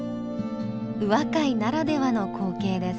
宇和海ならではの光景です。